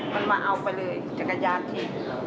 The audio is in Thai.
มันมาเอาไปเลยจักรยานทิ้ง